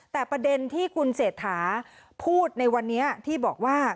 แต่ประเด็นที่คุณเศรษฐาพูดในวันนี้ที่บอกว่า